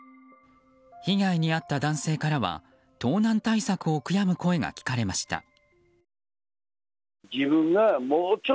被害に遭った男性からは盗難対策を悔やむ声が聞かれました。